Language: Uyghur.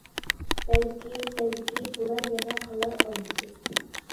بەلكى. بەلكى. بۇلار يەنە قالار ئالمىشىپ.